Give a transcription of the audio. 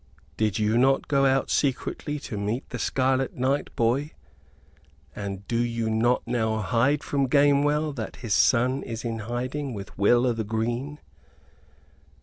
"Did you not go out secretly to meet the Scarlet Knight, boy? And do you not now hide from Gamewell that his son is in hiding with Will o' th' Green?